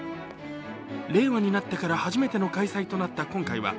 令和になってから初めての開催となった今回は